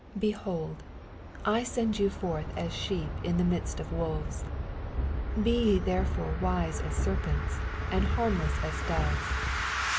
16 fiehold, I send yon forth as ■heep in the midst of wolves : bo ye therefore wise as serpents, and harm less as doves.